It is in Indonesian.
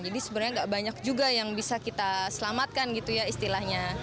jadi sebenarnya nggak banyak juga yang bisa kita selamatkan gitu ya istilahnya